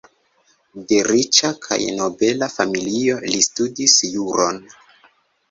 De riĉa kaj nobela familio, li studis juron.